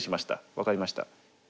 分かりました。